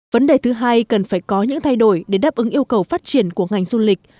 vấn đề thứ hai cần phải có những thay đổi để đáp ứng yêu cầu phát triển của ngành du lịch